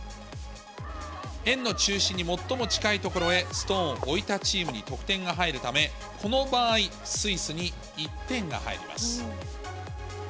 円の中心に最も近い所へストーンを置いたチームに得点が入るため、この場合、スイスに１点が入ります。